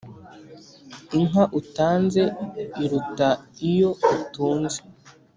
inka utanze iruta iyo utunze